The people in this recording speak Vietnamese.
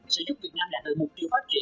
sẽ giúp việt nam đạt được mục tiêu phát triển